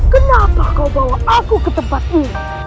kenapa kau bawa aku ke tempat ini